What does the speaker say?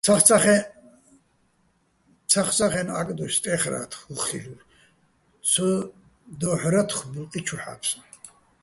ცახცახა́ჲნო ა́კდოშ სტე́ხრა́თხ, უხ ხილ'ურ, ცო დო́ჰ̦რათხო ბულყი ჩუ ჰ̦ა́ფსაჼ.